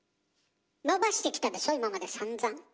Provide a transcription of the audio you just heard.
伸ばしてきたでしょ今までさんざん。